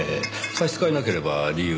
差し支えなければ理由を。